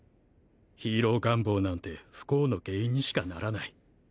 ヒーロー願望なんて不幸の原因にしかならない。